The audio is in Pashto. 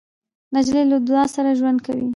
نجلۍ له دعا سره ژوند کوي.